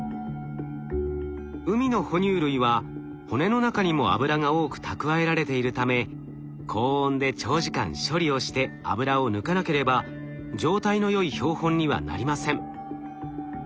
海の哺乳類は骨の中にも脂が多く蓄えられているため高温で長時間処理をして脂を抜かなければ状態のよい標本にはなりません。